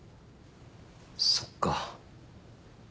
そっか。